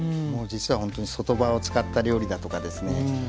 もう実はほんとに外葉を使った料理だとかですね